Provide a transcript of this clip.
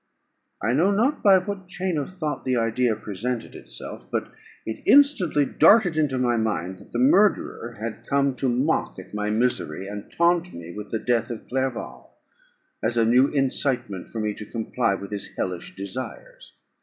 I know not by what chain of thought, the idea presented itself, but it instantly darted into my mind that the murderer had come to mock at my misery, and taunt me with the death of Clerval, as a new incitement for me to comply with his hellish desires.